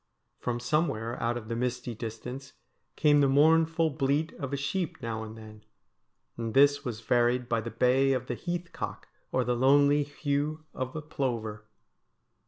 From some where out of the misty distance came the mournful bleat of a sheep now and then, and this was varied by the bay of the heath cock or the lonely whew of the plover.